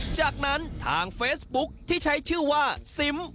จากนั้นทางเฟซบุ๊คที่ใช้ชื่อว่าซิม